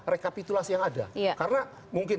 rekapitulasi yang ada karena mungkin